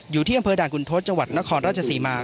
อยู่ที่ด่านคุณทศนครราชสีมา